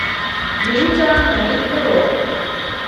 د هیچا مرید نه وو.